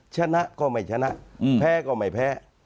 ชนะก็ไม่ชนะแพ้ก็ไม่แพ้